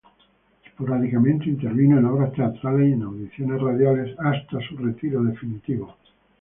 Esporádicamente intervino en obras teatrales y en audiciones radiales hasta su retiro definitivo.